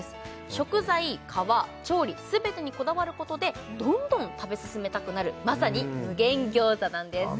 食材皮調理すべてにこだわることでどんどん食べ進めたくなるまさに無限餃子なんですあ